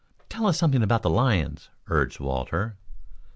"Tell us something about the lions," urged Walter.